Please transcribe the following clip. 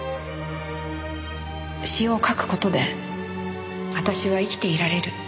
詩を書く事で私は生きていられる。